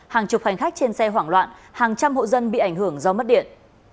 hàng chục hành khách trên xe hoảng loạn hàng trăm hộ dân bị ảnh hưởng do mất điện